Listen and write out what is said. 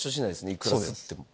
いくら吸っても。